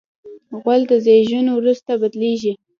غول د زیږون وروسته بدلېږي.